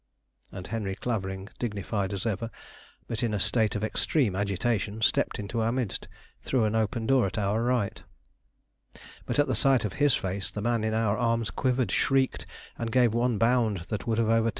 And Henry Clavering, dignified as ever, but in a state of extreme agitation, stepped into our midst through an open door at our right. [Illustration: "At the sight of his face, the man in our arms quivered, shrieked, and gave one bound that would have overturned Mr. Clavering